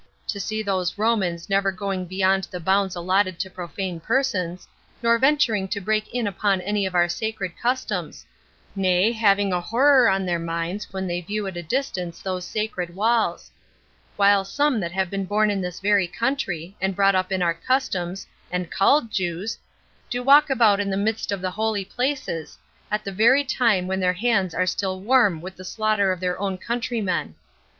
to see those Romans never going beyond the bounds allotted to profane persons, nor venturing to break in upon any of our sacred customs; nay, having a horror on their minds when they view at a distance those sacred walls; while some that have been born in this very country, and brought up in our customs, and called Jews, do walk about in the midst of the holy places, at the very time when their hands are still warm with the slaughter of their own countrymen.